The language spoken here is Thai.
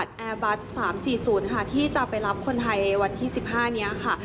สำหรับเครื่องบินของกองทัพอากาศแอร์บัตร๓๔๐ที่จะไปรับคนไทยวันที่๑๕นี้ค่ะ